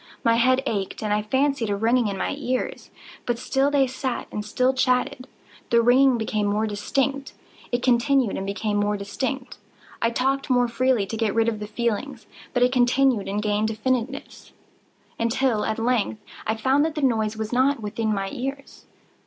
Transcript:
My head ached, and I fancied a ringing in my ears: but still they sat and still chatted. The ringing became more distinct:—it continued and became more distinct: I talked more freely to get rid of the feeling: but it continued and gained definiteness—until, at length, I found that the noise was not within my ears.